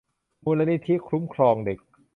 มูลนิธิคุ้มครองเด็ก